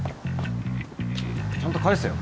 ちゃんと返せよ。